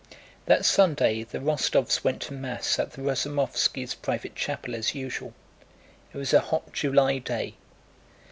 That Sunday, the Rostóvs went to Mass at the Razumóvskis' private chapel as usual. It was a hot July day.